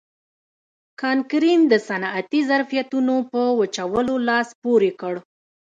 کانکرین د صنعتي ظرفیتونو په وچولو لاس پورې کړ.